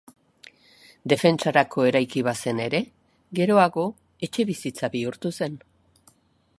Defentsarako eraiki bazen ere, geroago etxebizitza bihurtu zen.